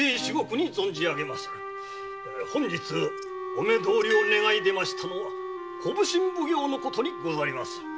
本日お目どおりを願いいでましたのは小普請奉行のことにございます。